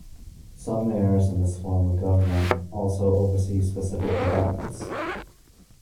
Some mayors in this form of government also oversee specific departments.